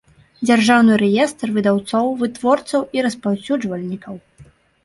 Дзяржаўны рэестр выдаўцоў, вытворцаў i распаўсюджвальнiкаў.